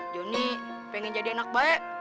joni pengen jadi anak baik